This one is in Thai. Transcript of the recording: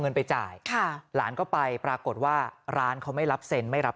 เงินไปจ่ายค่ะหลานก็ไปปรากฏว่าร้านเขาไม่รับเซ็นไม่รับ